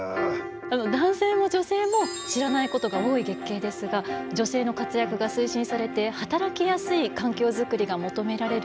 男性も女性も知らないことが多い月経ですが女性の活躍が推進されて働きやすい環境作りが求められる